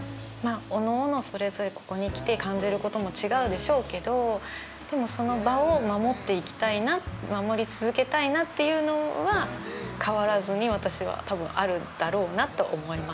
あおのおのそれぞれここに来て感じることも違うでしょうけどでもその場を守っていきたいな守り続けたいなっていうのは変わらずに私は多分あるんだろうなと思います。